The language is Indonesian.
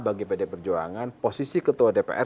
bagi pd perjuangan posisi ketua dpr